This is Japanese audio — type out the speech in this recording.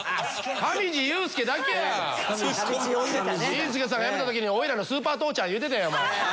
紳助さんが辞めた時にオイラのスーパー父ちゃん言うてたやんお前。